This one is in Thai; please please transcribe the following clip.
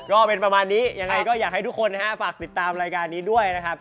ก็เป็นประมาณนี้ยังไงก็อยากให้ทุกคนนะฮะฝากติดตามรายการนี้ด้วยนะครับ